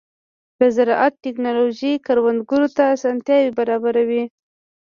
د زراعت ټیکنالوژي کروندګرو ته اسانتیاوې برابروي.